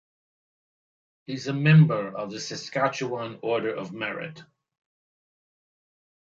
He is a member of the Saskatchewan Order of Merit.